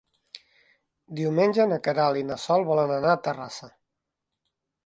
Diumenge na Queralt i na Sol volen anar a Terrassa.